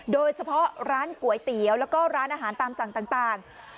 โดยเฉพาะร้านก๋วยเตี๋ยวแล้วก็ร้านอาหารตามสั่งต่าง